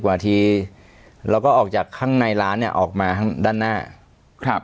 ๑๐กว่านาทีแล้วก็ออกจากข้างในร้านเนี่ยออกมาด้านหน้า